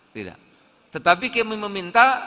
tidak tetapi kami meminta